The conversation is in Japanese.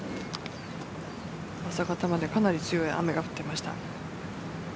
朝方までかなり強い雨が降っていました。